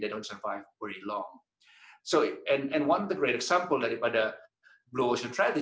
dan kehilangan uang dan mereka tidak bertahan lama